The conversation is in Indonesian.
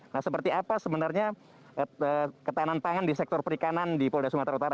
nah seperti apa sebenarnya ketahanan pangan di sektor perikanan di polda sumatera utara